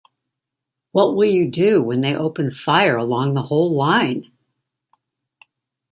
What will you do when they open fire along the whole line?